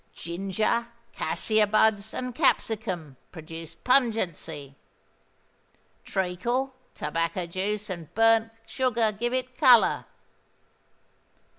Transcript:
Ginger, cassia buds, and capsicum, produce pungency. Treacle, tobacco juice, and burnt sugar give it colour.